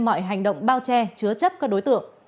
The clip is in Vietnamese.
mọi hành động bao che chứa chấp các đối tượng